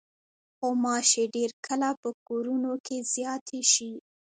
غوماشې ډېر کله په کورونو کې زیاتې شي.